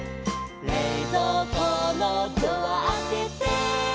「れいぞうこのドアあけて」